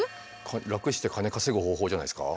楽して金稼ぐ方法じゃないですか？